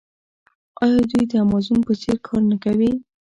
آیا دوی د امازون په څیر کار نه کوي؟